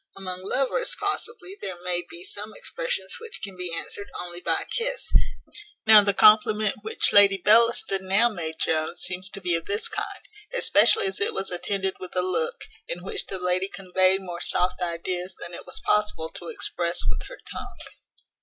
Among lovers possibly there may be some expressions which can be answered only by a kiss. Now the compliment which Lady Bellaston now made Jones seems to be of this kind, especially as it was attended with a look, in which the lady conveyed more soft ideas than it was possible to express with her tongue.